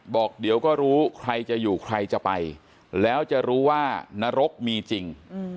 บอกเดี๋ยวก็รู้ใครจะอยู่ใครจะไปแล้วจะรู้ว่านรกมีจริง